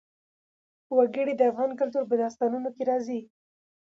وګړي د افغان کلتور په داستانونو کې راځي.